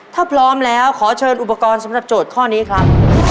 ถ้าพร้อมแล้วขอเชิญอุปกรณ์สำหรับโจทย์ข้อนี้ครับ